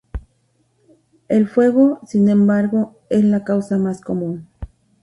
El fuego, sin embargo, es la causa más común.